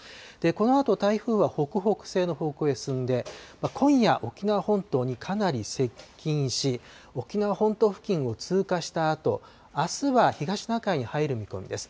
このあと、台風は北北西の方向へ進んで、今夜、沖縄本島にかなり接近し、沖縄本島付近を通過したあと、あすは東シナ海に入る見込みです。